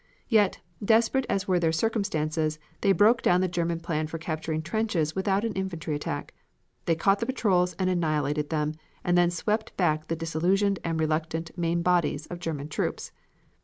"Yet, desperate as were their circumstances, they broke down the German plan for capturing trenches without an infantry attack. They caught the patrols and annihilated them, and then swept back the disillusioned and reluctant main bodies of German troops.